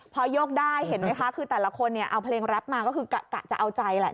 พอยกได้เห็นไหมคะคือแต่ละคนเนี่ยเอาเพลงแรปมาก็คือกะจะเอาใจแหละ